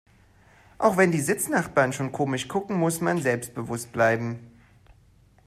Auch wenn die Sitznachbarn schon komisch gucken, muss man selbstbewusst bleiben.